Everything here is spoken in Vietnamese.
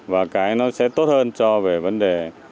và cái nó sẽ tốt hơn cho về vấn đề